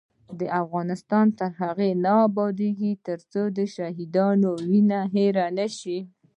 افغانستان تر هغو نه ابادیږي، ترڅو د شهیدانو وینه هیره نشي.